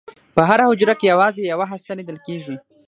په هره حجره کې یوازې یوه هسته لیدل کېږي.